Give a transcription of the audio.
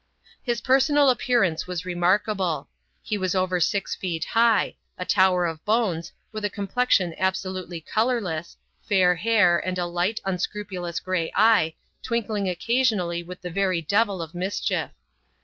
His personal appearance was remarkable. He was over six feet high — a tower of bones, with a complexion absolutely colourless, fair hair, and a light, unscrupulous gray eye, twink ling occasionally with the very devil of mischief.